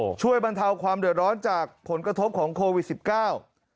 โอ้โหช่วยบรรเทาความเดือดร้อนจากผลกระทบของโควิดสิบเก้า